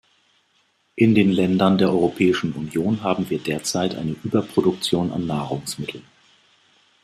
In den Ländern der Europäischen Union haben wir derzeit eine Überproduktion an Nahrungsmitteln.